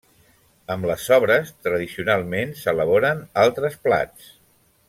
Amb les sobres, tradicionalment, s’elaboren altres plats.